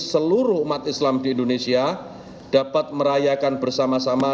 seluruh umat islam di indonesia dapat merayakan bersama sama